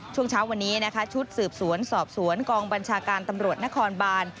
ช่วงเช้าวันนี้นะคะชุดสืบสวนสอบสวนกองบัญชาการตำรวจนครบาน